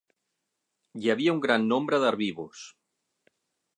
Hi havia un gran nombre d'herbívors.